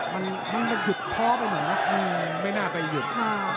มันหยุดท้อไปหมดนะไม่น่าไปหยุด